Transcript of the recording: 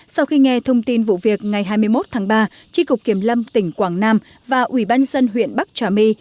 sau khi nghe thông tin vụ việc ngày hai mươi một tháng ba tri cục kiểm lâm tỉnh quảng nam và ủy ban dân huyện bắc trà my